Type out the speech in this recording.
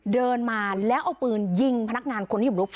เดินมาแล้วเอาปืนยิงพนักงานคนที่อยู่ลุก